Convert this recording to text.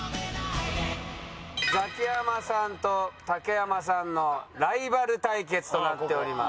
ザキヤマさんと竹山さんのライバル対決となっております。